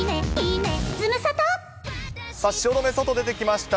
汐留、外出てきました。